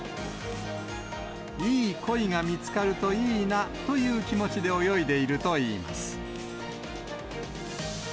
いい恋が見つかるといいなという気持ちで泳いでいるといいます。